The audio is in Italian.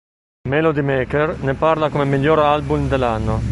Melody Maker ne parla come "miglior album dell'anno".